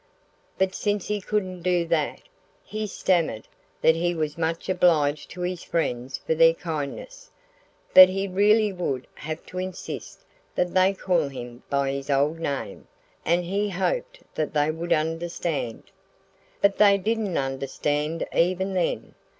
But since he couldn't do that, he stammered that he was much obliged to his friends for their kindness, but he really would have to insist that they call him by his old name, and he hoped they would understand. But they didn't understand even then.